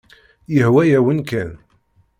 Yehwa-yawen kan.